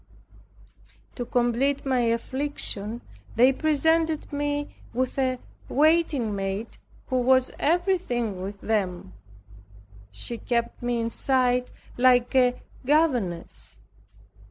To complete my affliction, they presented me with a waiting maid who was everything with them. She kept me in sight like a governess.